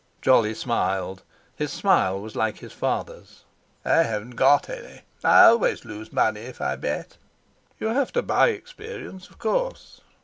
Jolly smiled; his smile was like his father's. "I haven't got any. I always lose money if I bet." "You have to buy experience, of course."